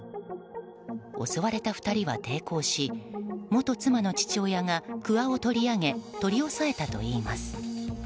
襲われた２人は抵抗し元妻の父親がくわを取り上げ取り押さえたといいます。